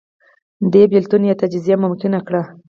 دې بېلتون یا تجزیه ممکنه کړه